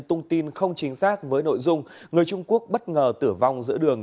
tung tin không chính xác với nội dung người trung quốc bất ngờ tử vong giữa đường